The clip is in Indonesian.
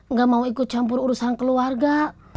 nggak mau ikut campur urusan keluarga